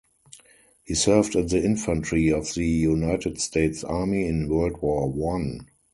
He served in the infantry of the United States Army in World War One.